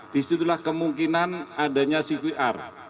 disitulah kemungkinan adanya cvr